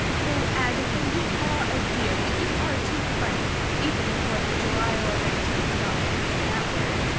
"Oh, Agatha, you are a dear, but you are too funny! Even a Fourth of July orator would not have used that word.